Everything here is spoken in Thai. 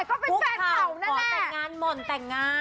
ต่างงานหม่นต่างงาน